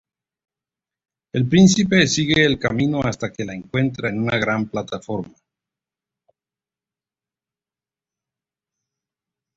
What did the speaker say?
El príncipe sigue el camino hasta que la encuentra en una gran plataforma.